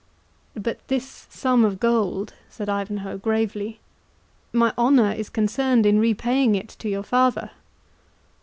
"But this sum of gold," said Ivanhoe, gravely, "my honour is concerned in repaying it to your father."